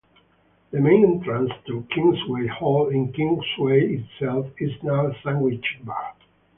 The main entrance to Kingsway Hall in Kingsway itself is now a sandwich bar.